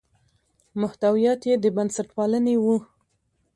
محتویات یې د بنسټپالنې وو.